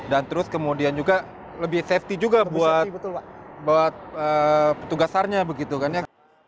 dan terus kemudian juga lebih safety juga buat petugas sarnya begitu kan ya